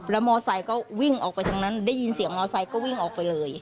แล้วมอไซค์ก็วิ่งออกไปทางนั้นได้ยินเสียงมอไซค์ก็วิ่งออกไปเลย